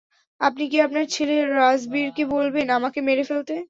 আপনি কি আপনার ছেলে, রাজবীরকে বলবেন আমাকে মেরে ফেলতে?